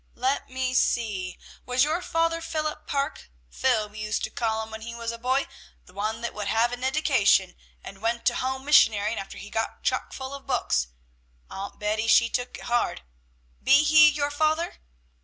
"Let me see. Was your father Philip Parke? Phil, we used to call him when he was a boy, the one that would have an eddication, and went a home missionarying after he got chock full of books. Aunt Betty, she took it hard. Be he your father?"